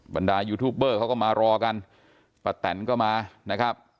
บรรดายูทูปเบอร์เขาก็มารอกันป้าแตนก็มานะครับ